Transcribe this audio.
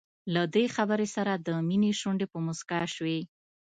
له دې خبرې سره د مينې شونډې په مسکا شوې.